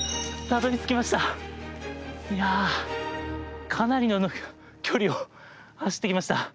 いや、かなりの距離を走ってきました。